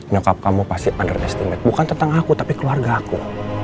nyokap kamu pasti under estimate bukan tentang aku tapi keluarga aku